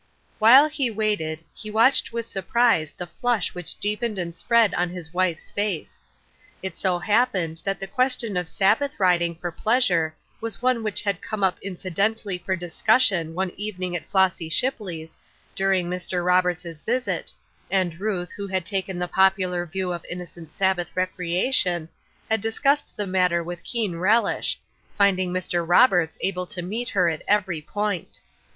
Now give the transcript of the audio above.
While he waited, he watched with surprise the flush which deepened and spread on his wife's face. It so happened that the question of Sab bath riding for pleasure was one which had come up incidentally for discussion one evening a,\ Flossy Shipley's, during Mr. Roberts' visit, and 868 Ruth Erskine'% Crosses. Ruth, who had taken the popular view of inno. cent Sabbath recreation, had discussed the mat ter with keen relish, finding Mr. Roberts able to meet her at every point.